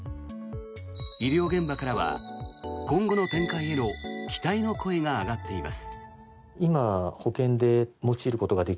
医療現場からは今後の展開への期待の声が上がっています。